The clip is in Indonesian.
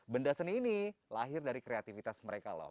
benda seni ini lahir dari kreativitas mereka loh